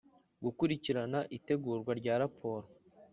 Gukurikirana itegurwa rya raporo